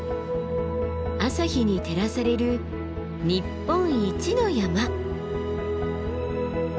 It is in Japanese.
朝日に照らされる日本一の山。